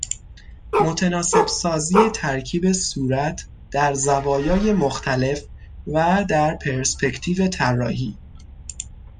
متناسب سازی ترکیب صورت در زوایای مختلف و در پرسپکتیو طراحی